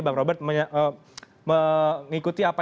bang robert mengikuti apa yang tadi dikatakan oleh bang febriah